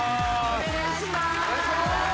お願いします。